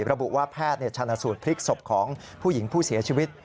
ระบุว่าแพทย์ชนสูตรพลิกศพของผู้หญิงผู้เสียชีวิต